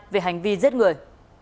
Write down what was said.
về hành vi giết người